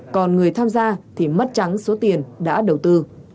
còn người tham gia thì mất trắng số tiền đã đầu tư